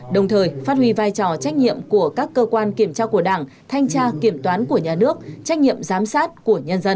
đồng thời phát huy vai trò trách nhiệm của các cơ quan kiểm tra của đảng thanh tra kiểm toán của nhà nước trách nhiệm giám sát của nhân dân